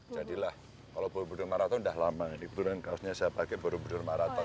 jadilah kalau borobudur marathon udah lama nih kebetulan kaosnya saya pakai borobudur marathon